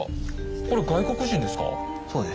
これ外国人ですか？